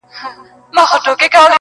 د رقیب زړه به کباب سي له حسده لمبه کیږي٫